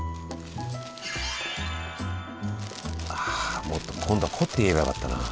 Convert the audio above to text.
あもっと今度は凝って言えばよかったなあ。